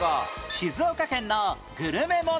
静岡県のグルメ問題